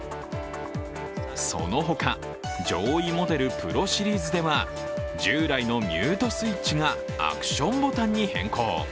そのほか、上位モデルＰｒｏシリーズでは従来のミュートスイッチがアクションボタンに変更。